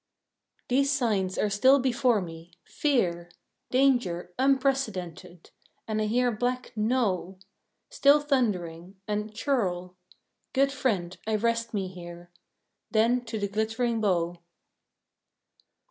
These signs are still before me: "Fear," "Danger," "Unprecedented," and I hear black "No" Still thundering, and "Churl." Good Friend, I rest me here Then to the glittering bow!